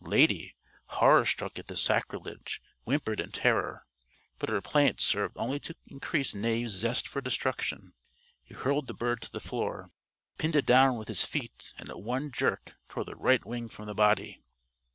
Lady, horror struck at this sacrilege, whimpered in terror. But her plaint served only to increase Knave's zest for destruction. He hurled the bird to the floor, pinned it down with his feet and at one jerk tore the right wing from the body.